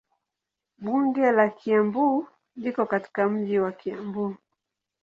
Bunge la Kiambu liko katika mji wa Kiambu.